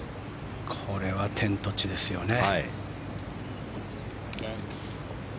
これは天と地ですよね。